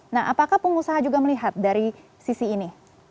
nah apakah pengusaha juga melihat dari sisi ini